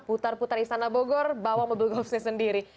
putar putar istana bogor bawa mobil golfnya sendiri